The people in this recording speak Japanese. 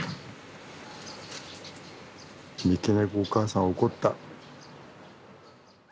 三毛猫お母さん怒った！